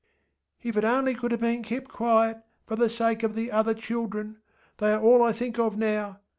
ŌĆśIf it only could have been kepŌĆÖ quietŌĆöfor the sake of the other children; they are all I think of now.